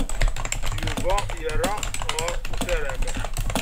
Yuba yerra ɣer utaram.